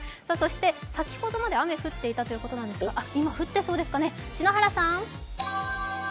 先ほどまで雨が降っていたということなんですが今、降ってそうですかね、篠原さん。